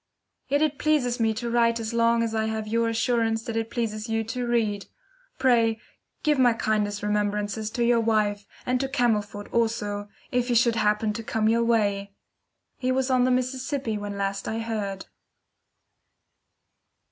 Yet it pleases me to write as long as I have your assurance that it pleases you to read. Pray, give my kindest remembrances to your wife, and to Camelford also, if he should happen to come your way. He was on the Mississippi when last I heard.